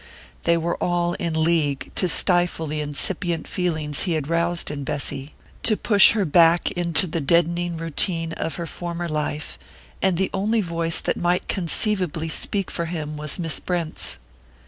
They were all in league to stifle the incipient feelings he had roused in Bessy, to push her back into the deadening routine of her former life, and the only voice that might conceivably speak for him was Miss Brent's.